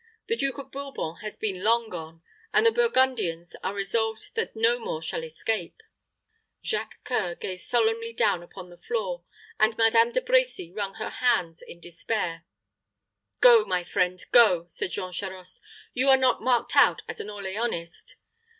The Duke of Bourbon has been long gone, and the Burgundians are resolved that no more shall escape." Jacques C[oe]ur gazed sternly down upon the floor, and Madame De Brecy wrung her hands in despair. "Go, my friend, go," said Jean Charost; "you are not marked out as an Orleanist.